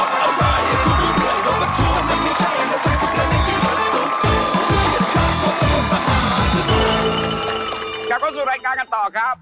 กลับเข้าสู่รายการกันต่อครับ